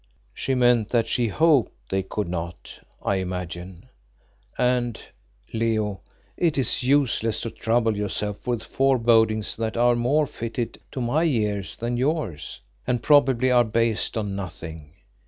"She meant that she hoped they could not, I imagine, and, Leo, it is useless to trouble yourself with forebodings that are more fitted to my years than yours, and probably are based on nothing.